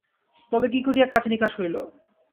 তবে কী করিয়া কাজ নিকাশ হইল?